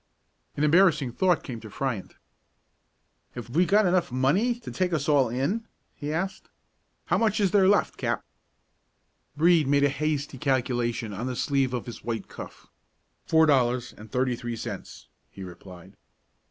An embarrassing thought came to Fryant. "Have we got money enough to take us all in?" he asked. "How much is there left, Cap?" Brede made a hasty calculation on the sleeve of his white cuff. "Four dollars and thirty three cents," he replied.